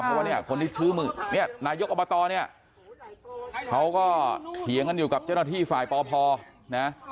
เพราะว่าเนี่ยคนที่ชื่อมือเนี่ยนายกอบตเนี่ยเขาก็เถียงกันอยู่กับเจ้าหน้าที่ฝ่ายปพนะ